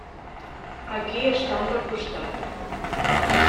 Aquí estan de costat.